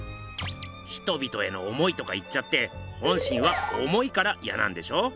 「人々への思い」とか言っちゃって本心は重いからイヤなんでしょ？